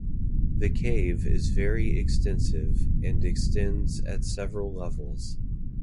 The cave is very extensive, and extends at several levels.